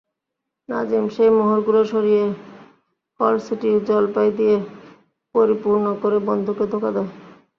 নাজিম সেই মোহরগুলো সরিয়ে কলসিটি জলপাই দিয়ে পরিপূর্ণ করে বন্ধুকে ধোঁকা দেয়।